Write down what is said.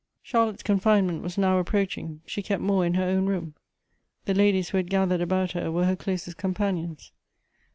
Charlotte's confinement was now approaching ; she kept more in her own room. The ladies who had gath ered about her were her closest companions.